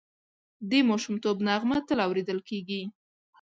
د ماشومتوب نغمه تل اورېدل کېږي